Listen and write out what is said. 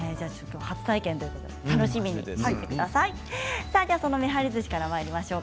初体験ということで楽しみにしてください。